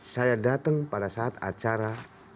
saya datang pada saat acara